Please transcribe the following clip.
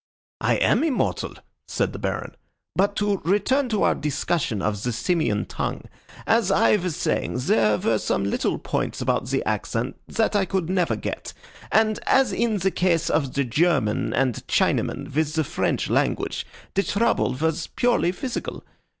"I am immortal," said the Baron. "But to return to our discussion of the Simian tongue: as I was saying, there were some little points about the accent that I could never get, and, as in the case of the German and Chinaman with the French language, the trouble was purely physical.